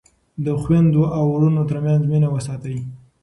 د خویندو او وروڼو ترمنځ مینه وساتئ.